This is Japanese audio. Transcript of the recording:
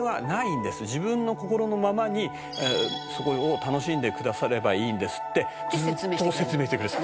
「自分の心のままにそこを楽しんでくださればいいんですってずっと説明してくれる」「」